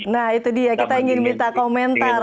nah itu dia kita ingin minta komentar